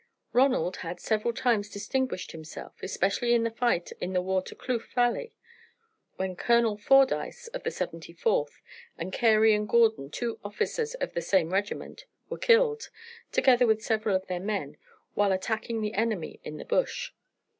Ronald had several times distinguished himself, especially in the fight in the Water Kloof Valley, when Colonel Fordyce, of the 74th, and Carey and Gordon, two officers of the same regiment, were killed, together with several of their men, while attacking the enemy in the bush.